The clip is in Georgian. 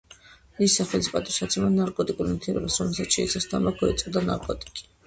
მისი სახელის პატივსაცემად ნარკოტიკულ ნივთიერებას, რომელსაც შეიცავს თამბაქო ეწოდა ნიკოტინი.